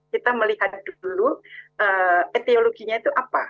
kita melihat dulu etiologinya itu apa